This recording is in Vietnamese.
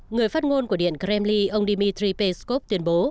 người phát ngôn của điện kremlin ông dmitry peskov tuyên bố